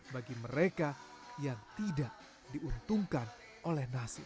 bagi mereka yang tidak diuntungkan oleh nasib